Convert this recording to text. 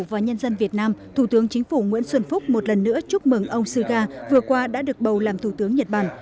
và nhân dân việt nam thủ tướng chính phủ nguyễn xuân phúc một lần nữa chúc mừng ông suga vừa qua đã được bầu làm thủ tướng nhật bản